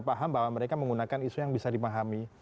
paham bahwa mereka menggunakan isu yang bisa dipahami